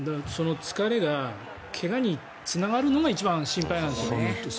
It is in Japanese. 疲れが怪我につながるのが一番心配ですよね。